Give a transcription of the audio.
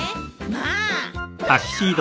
まあ！